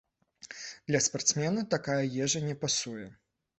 Для спартсмена такая ежа не пасуе.